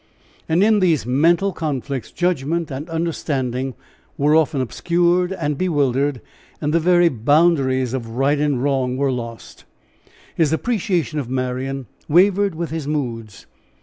And in these mental conflicts judgment and understanding were often obscured and bewildered, and the very boundaries of right and wrong lost. His appreciation of Marian wavered with his moods.